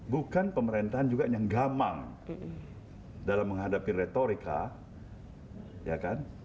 bukan pemerintahan juga yang gamang dalam menghadapi retorika ya kan